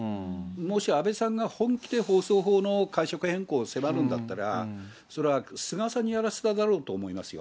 もし安倍さんが本気で放送法の変更を迫るのであれば、それは菅さんにやらせただろうと思いますよ。